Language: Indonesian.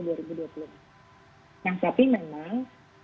nah tapi memang